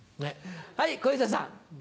はい小遊三さん。